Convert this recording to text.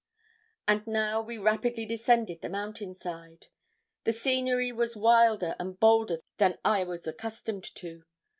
And now we rapidly descended the mountain side. The scenery was wilder and bolder than I was accustomed to.